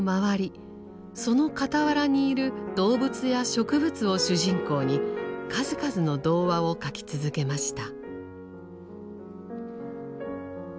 その傍らにいる動物や植物を主人公に数々の童話を書き続けました。